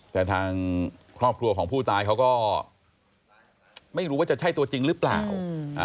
แต่ทางครอบครัวของผู้ตายเขาก็ไม่รู้ว่าจะใช่ตัวจริงหรือเปล่าอืมอ่า